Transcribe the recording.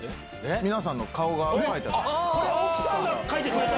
皆さんの顔が描いてある。